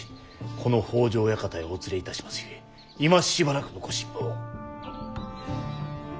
この北条館へお連れいたしますゆえ今しばらくのご辛抱を。